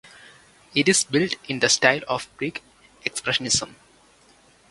It is built in the style of Brick Expressionism.